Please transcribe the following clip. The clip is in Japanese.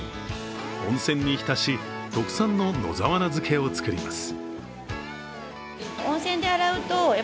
温泉にひたし、特産の野沢菜漬けを作ります。